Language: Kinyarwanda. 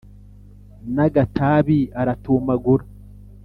n'agatabi aratumagura